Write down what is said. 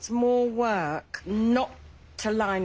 はい。